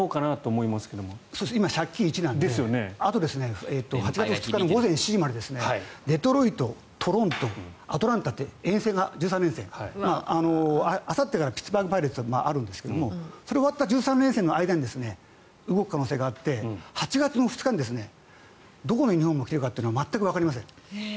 今、借金１なのであと、８月２日の午前７時までデトロイト、トロントアトランタって遠征１３連戦があさってからピッツバーグ・パイレーツとあるんですがそれが終わった１３連戦の間に動く可能性があって８月の２日にどこのユニホームを着ているかって全くわかりません。